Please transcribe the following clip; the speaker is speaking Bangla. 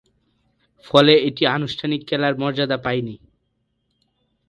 ফলে, এটি আনুষ্ঠানিক খেলার মর্যাদা পায়নি।